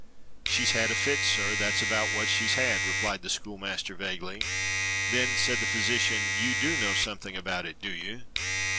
"She's had a fit, sir, that's about what she's had," replied the schoolmaster vaguely. "Then," said the physician, "you do know something about it, do you?"